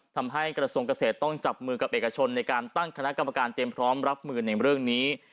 ทำให้กระทรวงเกษตรต้องจับมือกับเอกชนในการตั้งคณะกรรมการเตรียมพร้อมรับมือในเรื่องนี้